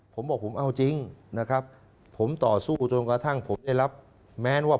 ผมบอกผมเอาจริงนะครับผมต่อสู้จนกระทั่งผมได้รับแม้ว่า